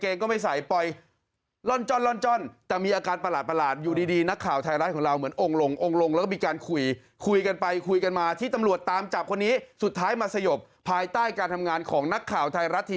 เอาหน้าเอาหน้าเพื่อนอย่าไปยึดยับเราไม่ใส่อังเกงไม่ได้